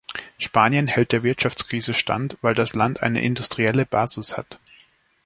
Spanien hält der Wirtschaftskrise stand, weil das Land eine industrielle Basis hat.